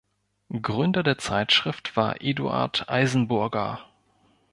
Gründer der Zeitschrift war Eduard Eisenburger.